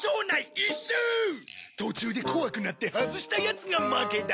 途中で怖くなって外したヤツが負けだ。